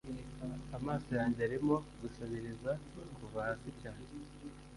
Amaso yanjye arimo gusabiriza kuva hasi cyane